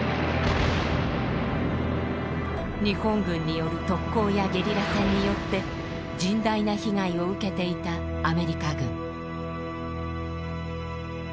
日本軍による特攻やゲリラ戦によって甚大な被害を受けていたアメリカ軍。